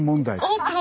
おっと！